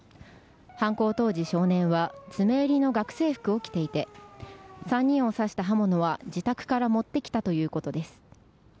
犯行当時、少年は詰め襟の学生服を着ていて３人を刺した刃物は自宅から持ってきたということです。